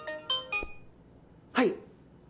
はい。